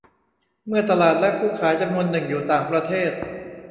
เมื่อตลาดและผู้ขายจำนวนหนึ่งอยู่ต่างประเทศ